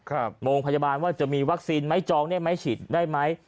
โรงพยาบาลว่าจะมีวัคซีนไหมจองได้ไหมฉีดได้ไหม